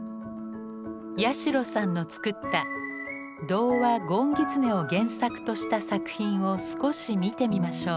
八代さんの作った童話「ごんぎつね」を原作とした作品を少し見てみましょう。